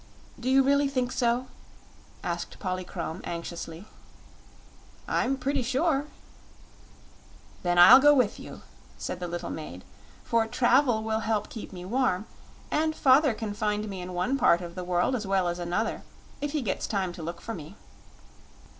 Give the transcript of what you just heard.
"Do you really think so?" asked Polychrome, anxiously. "I'm pretty sure." "Then I'll go with you," said the little maid; "for travel will help keep me warm, and father can find me in one part of the world as well as another if he gets time to look for me."